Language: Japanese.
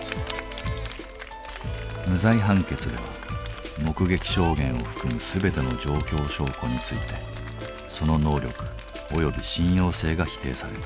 無罪判決では目撃証言を含む全ての状況証拠についてその能力および信用性が否定された。